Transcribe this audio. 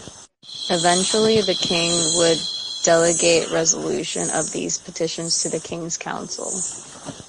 Eventually, the King would delegate resolution of these petitions to the King's Council.